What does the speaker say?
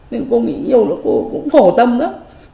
nên cô nghĩ nhiều lúc cô cũng khổ tâm lắm